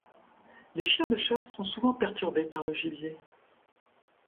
Les chiens de chasse sont souvent perturbés par le gibier.